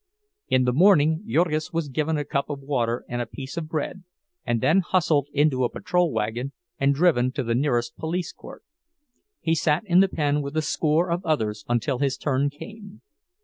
In the morning Jurgis was given a cup of water and a piece of bread, and then hustled into a patrol wagon and driven to the nearest police court. He sat in the pen with a score of others until his turn came.